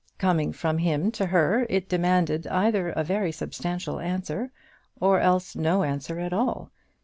Coming from him to her, it demanded either a very substantial answer, or else no answer at all.